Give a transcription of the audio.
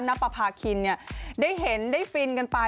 นับประพาคินได้เห็นได้ฟินกันไป